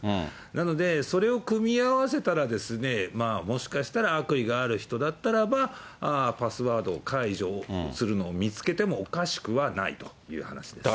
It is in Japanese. なので、それを組み合わせたら、もしかしたら悪意がある人だったら、パスワードを解除するのを見つけてもおかしくはないという話です。